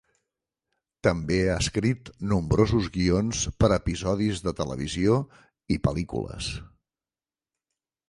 També ha escrit nombrosos guions per a episodis de televisió i pel·lícules.